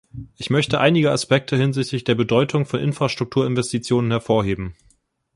Ich möchte einige Aspekte hinsichtlich der Bedeutung von Infrastrukturinvestitionen hervorheben.